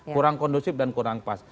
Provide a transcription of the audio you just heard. kurang kondusif dan kurang pas